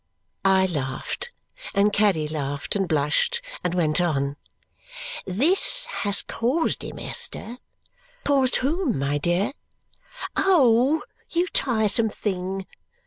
I laughed; and Caddy laughed and blushed, and went on. "This has caused him, Esther " "Caused whom, my dear?" "Oh, you tiresome thing!"